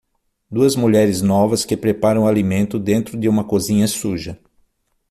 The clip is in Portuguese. Duas mulheres novas que preparam o alimento dentro de uma cozinha suja.